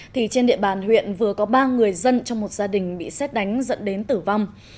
thì trên địa bàn huyện vừa có ba người dân trong một gia đình bị xét đánh dẫn đến tử vong